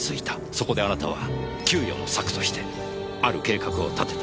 そこであなたは窮余の策としてある計画を立てた。